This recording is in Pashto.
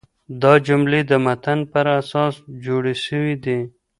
دا جملې د متن پر اساس جوړي سوي دي.